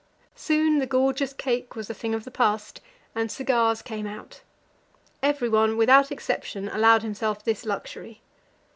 Soon the gorgeous cake was a thing of the past, and cigars came out. Everyone, without exception, allowed himself this luxury.